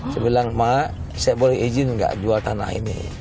saya bilang mak saya boleh izin nggak jual tanah ini